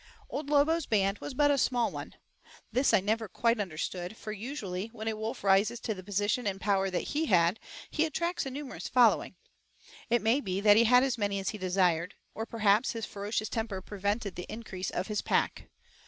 Old Lobo's band was but a small one. This I never quite understood, for usually, when a wolf rises to the position and power that he had, he attracts a numerous following. It may be that he had as many as he desired, or perhaps his ferocious temper prevented the increase of his pack.